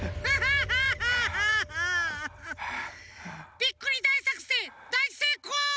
ビックリだいさくせんだいせいこう！